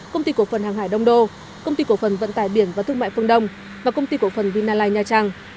công ty cổ phần hàng hải đông đô công ty cổ phần vận tải biển và thương mại phương đông và công ty cổ phần vinaliz nha trang